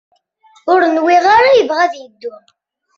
Ur nwiɣ ara yebɣa ad yeddu.